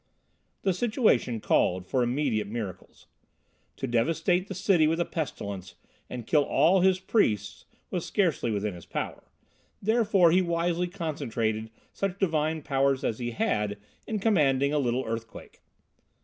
The situation called for immediate miracles. To devastate the city with a pestilence and kill all his priests was scarcely within his power, therefore he wisely concentrated such divine powers as he had in commanding a little earthquake.